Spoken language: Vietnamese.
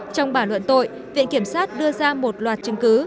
trong bản luận tội viện kiểm sát đưa ra một loạt chứng cứ